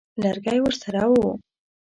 لرګی ورسره وو.